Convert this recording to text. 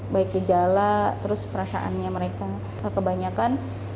baik gejala terus perasaannya mereka kebanyakan